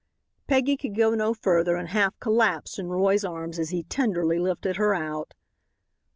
Peggy could go no further and half collapsed in Roy's arms as he tenderly lifted her out.